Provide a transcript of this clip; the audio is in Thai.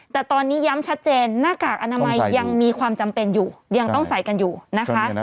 แต่ตอนนี้ย้ำชัดเจนหน้ากากอนามัยยังมีความจำเป็นอยู่ยังต้องใส่กันอยู่นะคะ